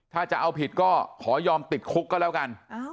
ถ้าจะเอาผิดก็ขอยอมติดคุกก็แล้วกัน